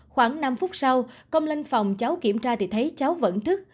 khoảng năm phút sau công lên phòng cháu kiểm tra thì thấy cháu vẫn thức